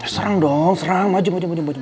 serang dong serang maju maju maju